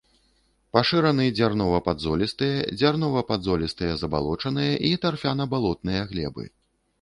Пашыраны дзярнова-падзолістыя, дзярнова-падзолістыя забалочаныя і тарфяна-балотныя глебы.